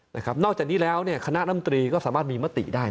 นอกจากนี้แล้วเนี่ยคณะลำตรีก็สามารถมีมติได้